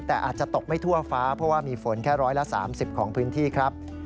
แต่อาจจะตกไม่ทั่วฟ้าเพราะว่ามีฝนแค่๑๓๐ของพื้นที่ครับ